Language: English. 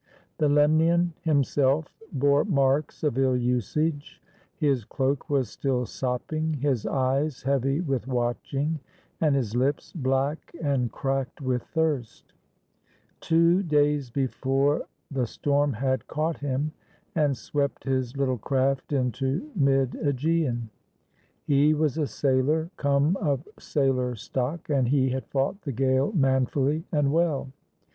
The Lemnian himself bore marks of ill usage. His cloak was still sopping, his eyes heavy with watching, and his lips black and cracked with thirst. Two days before, the 90 THE LEMNIAN: A STORY OF THERMOPYL^ storm had caught him and swept his little craft into mid ^gean. He was a sailor, come of sailor stock, and he had fought the gale manfully and well.